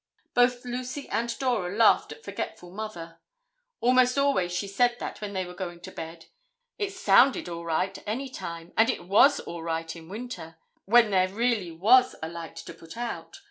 Both Lucy and Dora laughed at forgetful Mother. Almost always she said that when they were going to bed. It sounded all right any time, and it was all right in winter, when there really was a light to put out.